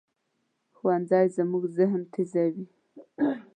ښوونځی زموږ ذهن تیزوي